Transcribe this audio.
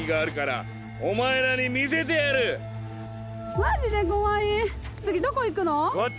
マジで怖い次どこ行くの？